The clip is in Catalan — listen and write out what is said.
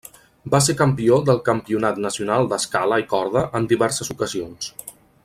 Va ser campió del Campionat Nacional d'Escala i Corda en diverses ocasions.